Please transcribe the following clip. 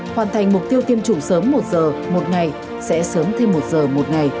hoàn thành mục tiêu tiêm chủng sớm một giờ một ngày sẽ sớm thêm một giờ một ngày